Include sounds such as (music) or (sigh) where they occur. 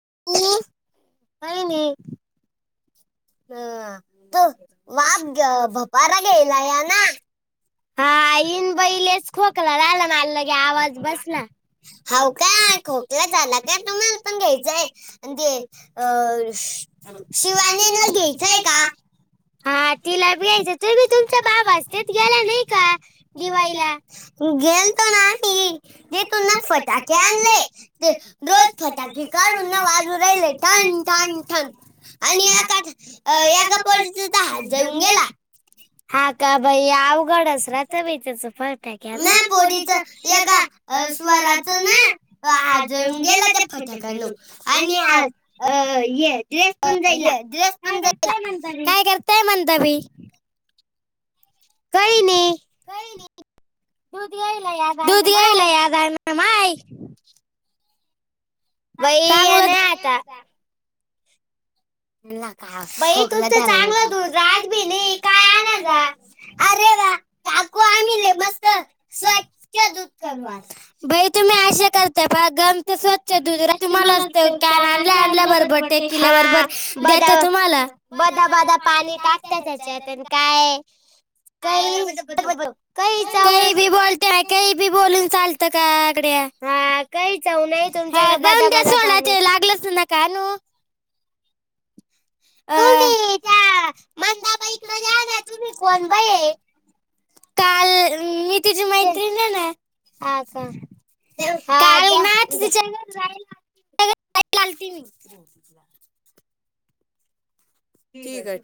(unintelligible) काय नाय. न आ. (unintelligible) हा इन बाई लईच खोकला आला अन लगे आवाज बसला. हाव काय? खोकला झाला काय तुम्हाला पण घ्यायचंय, आणि ते श शिवानीनं घ्यायचंय का? हा तिला बि यायचं, तुम्ही तुमचा बाबा असतेत गेला नाही का दिवाळीला? गेलतो ना आम्ही तिथून ना फटाके आणले, ते रोज फटाके काढून ना वाजू राहिले ठणठणठण, आणि एका अ एका (unintelligible) जळून गेला, हा का बई अवघडच राह त बाई त्याचं फटाक्याचं, मया पोडीचं यका अ स्वराचं ना अ हात जळून गेला ते फटाक्यानं आणि आज अ य ड्रेस पण जळाला, काय करताय म्हण सगळी? करताय म्हणता मी? काय नाही. काय नि. दूध घेयला या दूध घेयला (unintelligible) माय. बाई येना आता. आणला का? खोकला झाला नव्ह का, (unintelligible) अरे वा काकू आम्ही लय मस्त स्वच्छ दूध करू आता, बाई तुम्ही अशे कर त्या पाय ग आमचं स्वच्छ दुध रा तुम्हालाच त्यो कॅन आणल्या आणल्या बर बर टेकिल्या बरं बरं बदा बदा बदा पाणी टाकत्या त्याच्यात अन काय. (unintelligible) काही बी बोलत्या, काही बी बोलून चालतं का गडया? (unintelligible) हा जाऊन द्या सोडा ते लागलच नका आणू. अ तुम्ही त्या मंदाबाईकडं जा ना, तुम्ही कोण बाई ए? (unintelligible) हा का? हा त्या (unintelligible) (unintelligible) आलती मी. ठीक आहे ठेव.